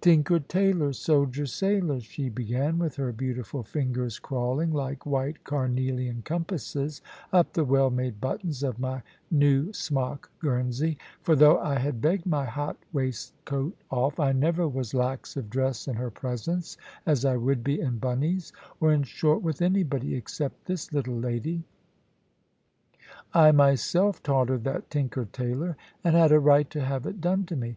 "Tinker, tailor, soldier, sailor," she began, with her beautiful fingers crawling, like white carnelian compasses, up the well made buttons of my new smock guernsey; for though I had begged my hot waistcoat off, I never was lax of dress in her presence as I would be in Bunny's or, in short, with anybody except this little lady. I myself taught her that "tinker, tailor," and had a right to have it done to me.